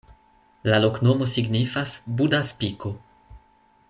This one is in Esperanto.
La loknomo signifas: Buda-spiko.